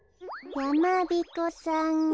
やまびこさんが。